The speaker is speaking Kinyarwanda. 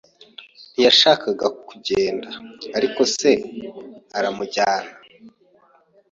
Ntiyashakaga kugenda, ariko se aramujyana.